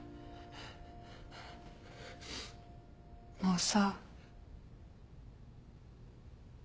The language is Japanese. もうさ。